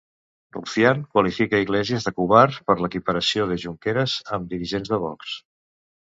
Rufián qualifica Iglesias de covard per l'equiparació de Junqueras amb dirigents de Vox.